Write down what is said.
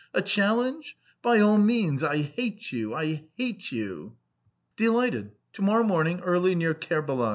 "A challenge? By all means! I hate you! I hate you!" "Delighted. To morrow morning early near Kerbalay's.